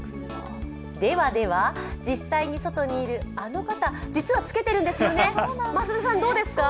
ではでは、実際に外にいるあの方、実はつけてるんですよね、増田さん、どうですか？